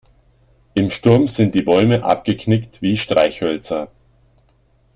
Im Sturm sind die Bäume abgeknickt wie Streichhölzer.